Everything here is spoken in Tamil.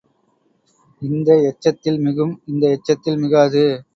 இந்த எச்சத்தில் மிகும் இந்த எச்சத்தில் மிகாது.